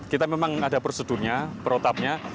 kita memang ada prosedurnya perotapnya